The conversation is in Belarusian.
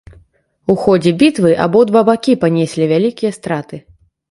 У ходзе бітвы абодва бакі панеслі вялікія страты.